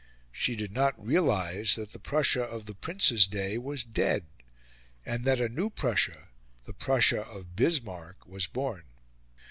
She did not realise that the Prussia of the Prince's day was dead, and that a new Prussia, the Prussia of Bismarck, was born.